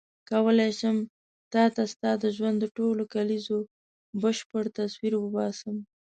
کولای شم تا ته ستا د ژوند د ټولو کلیزو بشپړ تصویر وباسم.